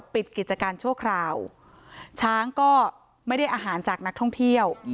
ปิดกิจการชั่วคราวช้างก็ไม่ได้อาหารจากนักท่องเที่ยว